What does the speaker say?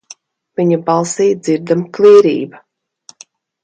Viņa balsī dzirdama klīrība.